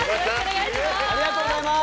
ありがとうございます。